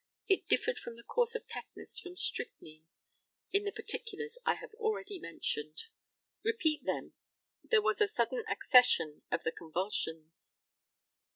It differed from the course of tetanus from strychnine in the particulars I have already mentioned. Repeat them: There was the sudden accession of the convulsions.